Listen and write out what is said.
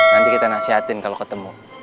nanti kita nasihatin kalau ketemu